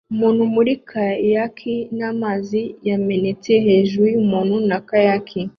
Umuntu muri kayaki n'amazi yamenetse hejuru yumuntu na kayaki